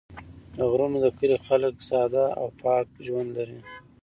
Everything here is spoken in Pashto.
د غرونو د کلي خلک ساده او پاک ژوند لري.